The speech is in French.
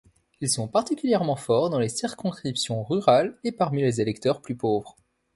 Ils sont particulièrement forts dans les circonscriptions rurales et parmi les électeurs plus pauvres.